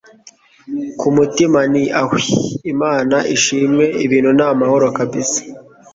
kumutima nti ahwiiih! imana ishimwe ibintu namahoro kabsa!